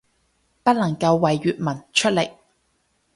不能夠為粵文出力